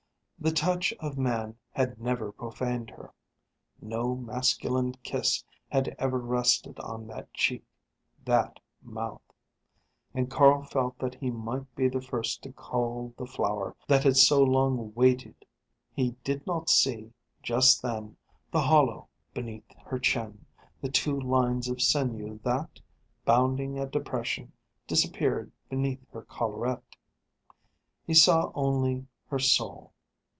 The touch of man had never profaned her. No masculine kiss had ever rested on that cheek, that mouth. And Carl felt that he might be the first to cull the flower that had so long waited. He did not see, just then, the hollow beneath her chin, the two lines of sinew that, bounding a depression, disappeared beneath her collarette. He saw only her soul.